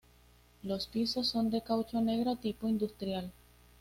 Los pisos son de caucho negro tipo industrial.